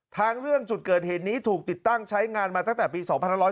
ทางเรื่องจุดเกิดเหตุนี้ถูกติดตั้งใช้งานมาตั้งแต่ปี๒๕๖๐